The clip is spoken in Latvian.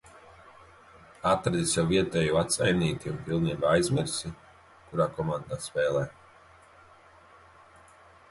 Atradi sev vietējo astainīti un pilnībā aizmirsi, kurā komandā spēlē?